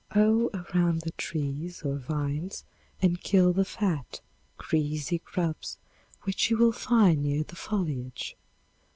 Hoe around the trees or vines and kill the fat, greasy grubs which you will find near the foliage.